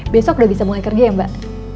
besok udah bisa mulai kerja ya mbak